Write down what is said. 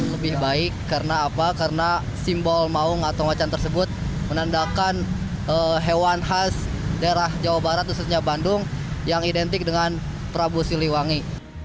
lebih baik karena apa karena simbol maung atau macan tersebut menandakan hewan khas daerah jawa barat khususnya bandung yang identik dengan prabu siliwangi